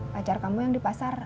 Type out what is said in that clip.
pacar kamu yang di pasar